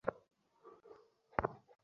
যেতে দে ওনাকে।